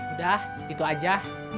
udah gitu aja